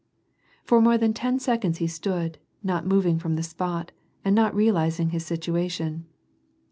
For more than ten seconds he stood, not moving from the spot and not realizing his situation.